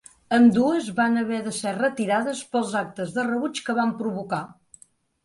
Ambdues van haver de ser retirades pels actes de rebuig que van provocar.